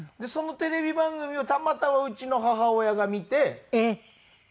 そのテレビ番組をたまたまうちの母親が見て。